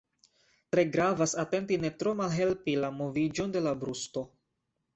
Tre gravas atenti ne tro malhelpi la moviĝon de la brusto.